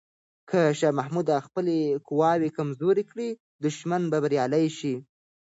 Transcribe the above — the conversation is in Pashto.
که شاه محمود خپلې قواوې کمزوري کړي، دښمن به بریالی شي.